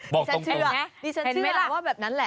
บอกตรงนี่ฉันเชื่อว่าแบบนั้นแหละ